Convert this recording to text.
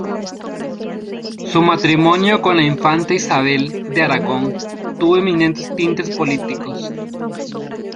Su matrimonio con la infanta Isabel de Aragón tuvo eminentes tintes políticos.